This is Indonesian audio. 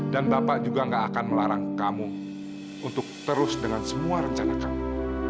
dan bapak juga gak akan melarang kamu untuk terus dengan semua rencana kamu